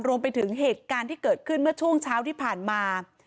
รวมไปถึงเหตุการณ์ที่เกิดขึ้นเมื่อช่วงเช้าที่ผ่านมา